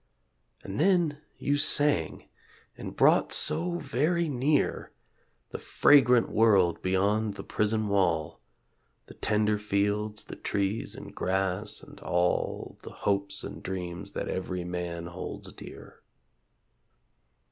And then you sang ... and brought so very near, The fragrant world beyond the prison wall, The tender fields, the trees and grass, and all The hopes and dreams that every man holds dear.